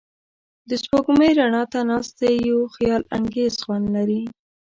د سپوږمۍ رڼا ته ناستې یو خیالانګیز خوند لري.